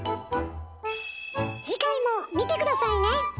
次回も見て下さいね！